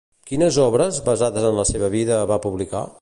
Quines obres, basades en la seva vida, va publicar?